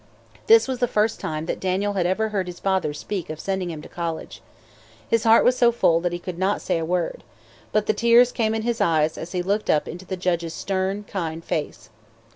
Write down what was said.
This was the first time that Daniel had ever heard his father speak of sending him to college. His heart was so full that he could not say a word. But the tears came in his eyes as he looked up into the judge's stern, kind face.